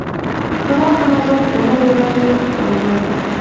زما په نظر کونړ ولايت ډېر ښکلی دی.